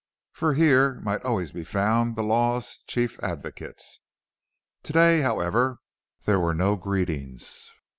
For here might always be found the law's chief advocates. To day, however, there were no greetings.